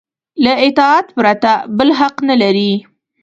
له اطاعت پرته بل حق نه لري.